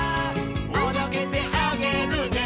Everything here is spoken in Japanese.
「おどけてあげるね」